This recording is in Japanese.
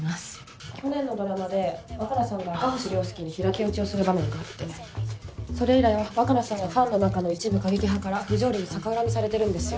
去年のドラマで若菜さんが明星涼介に平手打ちをする場面があってそれ以来若菜さんはファンの中の一部過激派から不条理に逆恨みされてるんですよ。